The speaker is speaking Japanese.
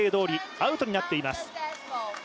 アウトになっています。